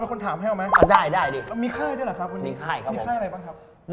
มีค่ายด้วยเหรอครับคุณมีค่ายครับผมมีค่ายอะไรบ้างครับ